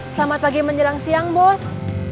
selamat pagi menjelang siang bos